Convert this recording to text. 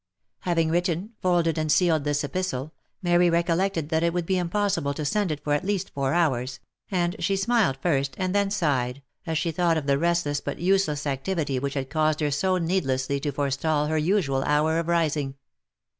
Having written, folded, and sealed this epistle, Mary recollected that it would be impossible to send it for at least four hours, and she smiled first, and then sighed, as she thought of the restless but useless activity which had caused her so needlessly to forestall her usual hour of rising.